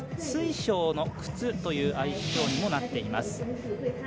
水晶の靴という愛称にもなっています。